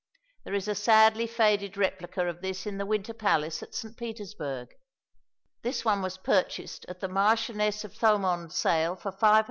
There is a sadly faded replica of this in the Winter Palace at St. Petersburg. This one was purchased at the Marchioness of Thomond's sale for £500.